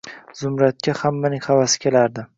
Zumradga hammaning havasi kelardi.